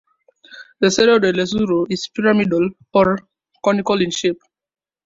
The Cerro del Lucero is pyramidal or conical in shape.